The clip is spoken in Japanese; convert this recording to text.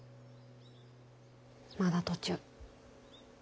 まだ途中。